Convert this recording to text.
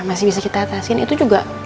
masih bisa kita atasin itu juga